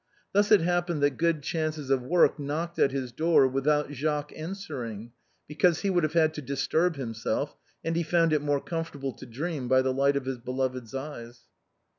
Thus it often happened that good chances of work knocked at his door without Jacques answering, because he would have had to disturb himself, and he found it more comfortable to dream by the light of his beloved's eyes.